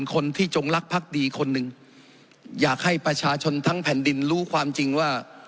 คนที่จงรักพักดีคนหนึ่งอยากให้ประชาชนทั้งแผ่นดินรู้ความจริงว่า